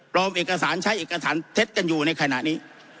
เอกสารใช้เอกสารเท็จกันอยู่ในขณะนี้